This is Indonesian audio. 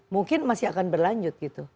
mungkin masih akan berlanjut gitu